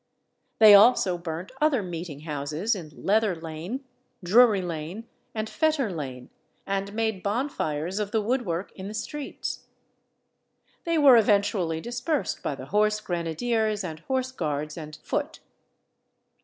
They also burnt other meeting houses in Leather Lane, Drury Lane, and Fetter Lane, and made bonfires of the woodwork in the streets. They were eventually dispersed by the horse grenadiers and horse guards and foot.